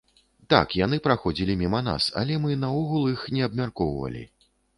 Так, яны праходзілі міма нас, але мы наогул іх не абмяркоўвалі.